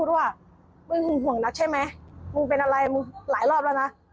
หวังนักใช่ไหมมึงเป็นอะไรมาหลายรอบแล้วนะ